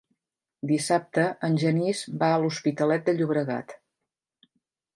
Dissabte en Genís va a l'Hospitalet de Llobregat.